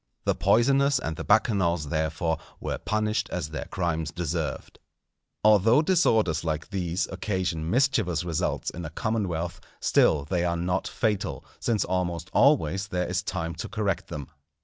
The poisoners and the Bacchanals, therefore, were punished as their crimes deserved. Although disorders like these occasion mischievous results in a commonwealth, still they are not fatal, since almost always there is time to correct them.